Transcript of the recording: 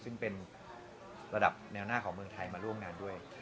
ซึ่งเป็นระดับแนวหน้าของเมืองไทยมาร่วมงานด้วย